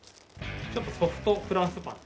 ちょっとソフトフランスパン。